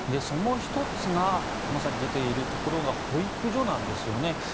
その１つがまさに出ているところが保育所なんですよね。